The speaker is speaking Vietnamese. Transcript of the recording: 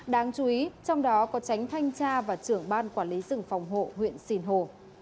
đáng chú ý trong đó có tránh thanh tra và trưởng ban quản lý rừng phòng hộ huyện sìn hồ